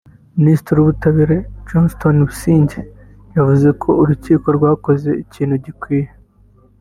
Minisitiri w’ ubutabera Johnston Busingye yavuze ko urukiko rwakoze ikintu gikwiye